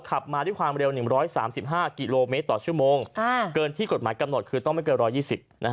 ขับมาด้วยความเร็ว๑๓๕กิโลเมตรต่อชั่วโมงเกินที่กฎหมายกำหนดคือต้องไม่เกิน๑๒๐นะฮะ